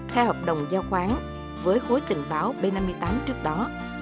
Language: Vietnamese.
theo hợp đồng giao khoáng với khối tình báo b năm mươi tám trước đó